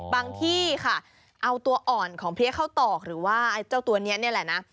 ที่ค่ะเอาตัวอ่อนของเพลียข้าวตอกหรือว่าเจ้าตัวนี้นี่แหละนะ